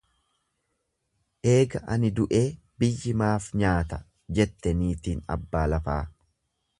Eega ani du'ee biyyi maaf nyaata jette niitin abbaa lafaa.